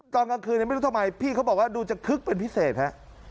ตอนกลางคืนไม่รู้ทำไมพี่เขาบอกว่าดูจะคึกเป็นพิเศษฮะ